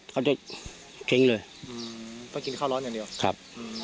เค้าจะเค้งเลยต้องกินข้าวร้อนอย่างเดียวครับ